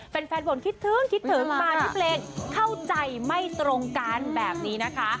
แฟนบ่นคิดถึงคิดถึงมาที่เพลงเข้าใจไม่ตรงกันแบบนี้นะคะ